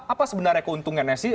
apa sebenarnya keuntungannya sih